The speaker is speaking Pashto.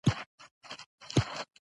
بوټونه د تلو راتلو وسېله ده.